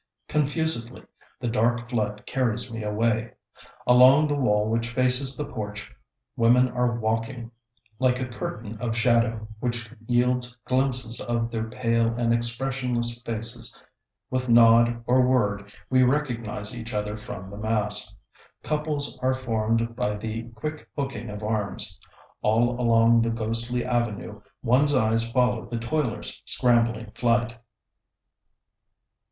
Confusedly, the dark flood carries me away. Along the wall which faces the porch, women are waiting, like a curtain of shadow, which yields glimpses of their pale and expressionless faces. With nod or word we recognize each other from the mass. Couples are formed by the quick hooking of arms. All along the ghostly avenue one's eyes follow the toilers' scrambling flight.